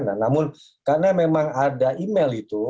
nah namun karena memang ada email itu